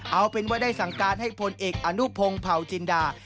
เอาเป็นว่าได้สั่งการให้พลเอกอนุพงศ์เผาจินดา